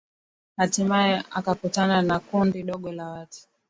hatimaye akakutana na kundi dogo la watu